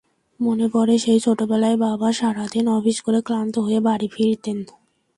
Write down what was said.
মনে পড়ে, সেই ছোটবেলায় বাবা সারা দিন অফিস করে ক্লান্ত হয়ে বাড়ি ফিরতেন।